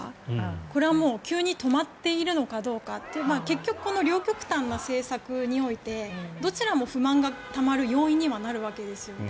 これは急に止まっているのかどうかという結局、この両極端な政策においてどちらも不満がたまる要因にはなるわけですよね。